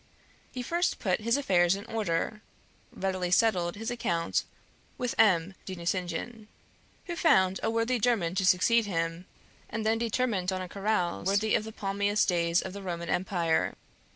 He first put his affairs in order, readily settled his account with M. de Nucingen, who found a worthy German to succeed him, and then determined on a carouse worthy of the palmiest days of the Roman Empire.